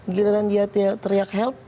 gila kan dia teriak help